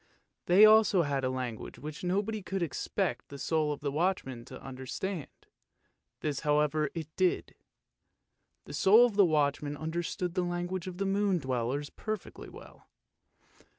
They also had a language which nobody could expect the soul of the watchman to understand, this however it did. The soul of the watchman understood the language of the moon dwellers perfectly well.